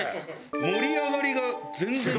盛り上がりが全然違う。